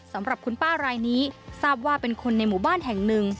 สำหรับคุณป้ารายนี้ทราบว่าเป็นคนในหมู่บ้านแห่งหนึ่ง